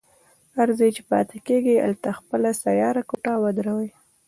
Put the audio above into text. هر ځای چې پاتې کېږي هلته خپله سیاره کوټه ودروي.